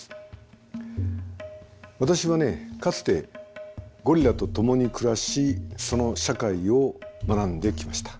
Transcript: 私はねかつてゴリラと共に暮らしその社会を学んできました。